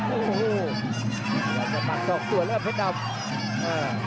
โอ้โหจะปากสองตัวแล้วเพชรดำ